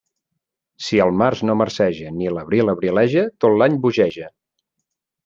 Si el març no marceja ni l'abril abrileja, tot l'any bogeja.